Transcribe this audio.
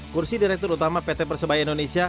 kursi direktur utama pt persebaya indonesia